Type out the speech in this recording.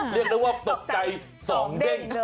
เรียกได้ว่าตกใจสองเด้ง